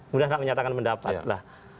mudah nggak menyatakan pendapat lah